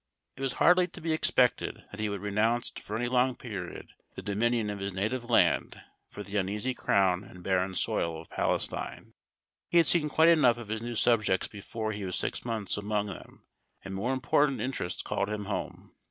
It was hardly to be expected that he would renounce for any long period the dominion of his native land for the uneasy crown and barren soil of Palestine. He had seen quite enough of his new subjects before he was six months among them, and more important interests called him home.